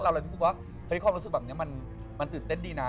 เราเลยรู้สึกว่าเฮ้ยความรู้สึกแบบนี้มันตื่นเต้นดีนะ